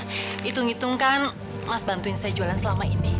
hitung hitungkan mas bantuin saya jualan selama ini